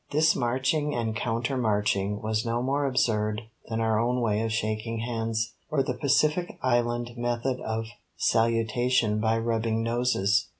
This marching and counter marching was no more absurd than our own way of shaking hands, or the Pacific Island method of salutation by rubbing noses.